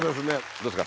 どうですか？